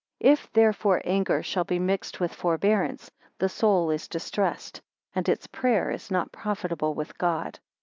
If therefore anger shall be mixed with forbearance, the soul is distressed, and its prayer is not profitable with God.